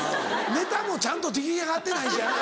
ネタもちゃんと出来上がってないしやな。